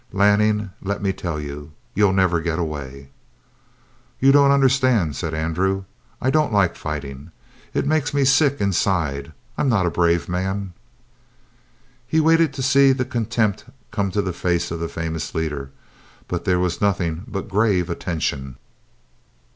"Lanning, let me tell you. You'll never get away." "You don't understand," said Andrew. "I don't like fighting. It it makes me sick inside. I'm not a brave man!" He waited to see the contempt come on the face of the famous leader, but there was nothing but grave attention.